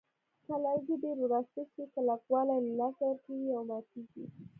که لرګي ډېر وراسته شي کلکوالی له لاسه ورکوي او ماتېږي.